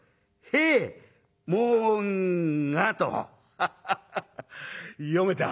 ハハハハッ読めた」。